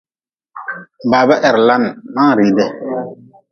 Baba heri la ma-n riidi.